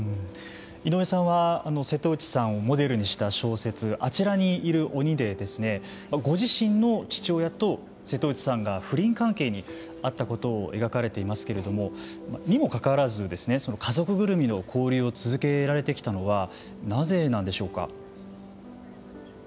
井上さんは瀬戸内さんをモデルにした小説「あちらにいる鬼」でご自身の父親と瀬戸内さんが不倫関係にあったことを描かれていますけれどもにもかかわらず家族ぐるみの交流を続けられてきたのはなぜなんでしょうか。